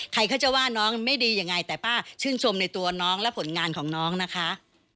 ใครเขาจะว่าน้องไม่ดียังไงแต่ป้าชื่นชมในตัวน้องและผลงานของน้องนะคะ